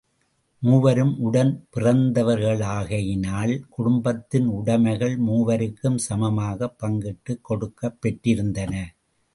மூவரும் உடன் பிறந்தவர்களாகையினால் குடும்பத்தின் உடைமைகள் மூவருக்கும் சமமாகப் பங்கிட்டுக் கொடுக்கப் பெற்றிருந்தன.